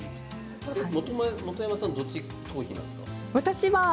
本山さんはどちらの頭皮なんですか？